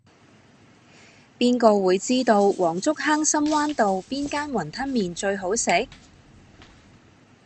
邊個會知道黃竹坑深灣道邊間雲吞麵最好食